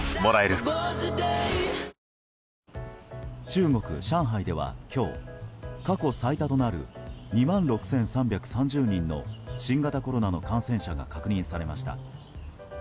中国・上海では今日過去最多となる２万６３３０人の新型コロナの感染者が確認されました。